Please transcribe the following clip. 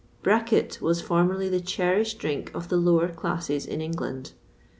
[XXVI 27] Braket was formerly the cherished drink of the lower classes in England.